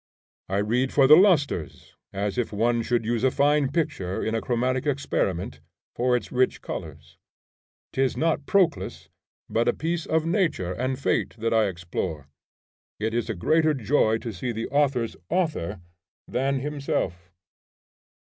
I read for the lustres, as if one should use a fine picture in a chromatic experiment, for its rich colors. 'Tis not Proclus, but a piece of nature and fate that I explore. It is a greater joy to see the author's author, than himself.